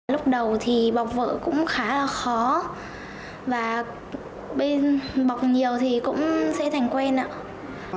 lúc đầu thì bọc vở cũng khá là khó và bọc nhiều thì cũng sẽ thành quen ạ